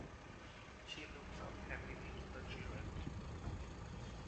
She looks up happily to the children.